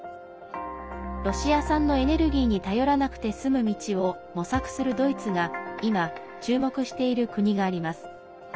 ロシア産のエネルギーに頼らなくて済む道を模索するドイツが今注目している国があります。